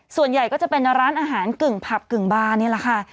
ส่วนใหญ่ก็จะเป็นร้านอาหารกึ่งผับกึ่งบานี่แหละค่ะ